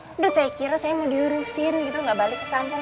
aduh saya kira saya mau diurusin gitu nggak balik ke kampung